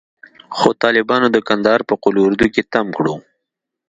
خو طالبانو د کندهار په قول اردو کښې تم کړو.